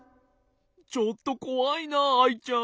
ちょっとこわいなアイちゃん。